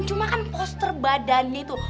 cuma kan poster badannya itu